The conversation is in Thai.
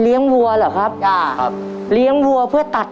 วัวเหรอครับจ้ะครับเลี้ยงวัวเพื่อตัด